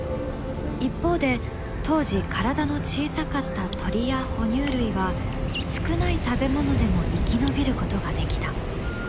一方で当時体の小さかった鳥や哺乳類は少ない食べ物でも生き延びることができた。